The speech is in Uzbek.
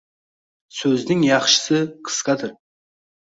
Soʻzning yaxshisi – qisqadir